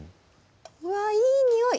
うわっいいにおい！